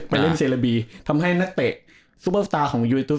ไปเล่นเซราบีทำให้นักเตะซุปเปอร์สตาร์ของยูอินทรุส